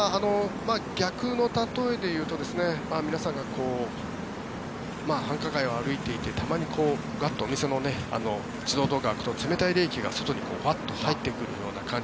逆の例えでいうと皆さんが繁華街を歩いていてたまにお店の自動ドアが開くと冷たい冷気が外にバッと入ってくる感じ。